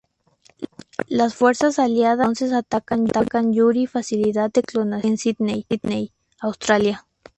Las fuerzas Aliadas entonces atacan Yuri facilidad de clonación en Sídney, Australia.